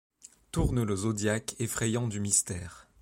Tourne le zodiaque effrayant du mystère ;